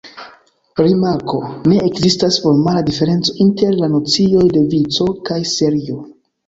Rimarko: Ne ekzistas formala diferenco inter la nocioj de vico kaj serio.